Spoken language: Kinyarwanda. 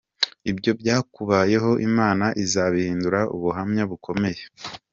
Ibyo byakubayeho Imana izabihindura ubuhamya bukomeye.